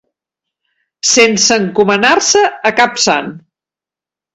Sense encomanar-se a cap sant.